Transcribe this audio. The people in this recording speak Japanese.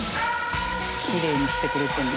きれいにしてくれてるの？